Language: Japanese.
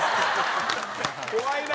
怖いな。